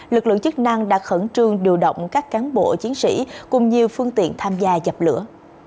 lực lượng chức năng đã khẩn trương điều động các cán bộ chiến sĩ cùng nhiều phương tiện tham gia dập lửa